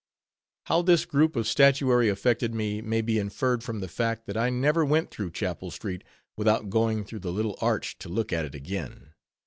How this group of statuary affected me, may be inferred from the fact, that I never went through Chapel street without going through the little arch to look at it again.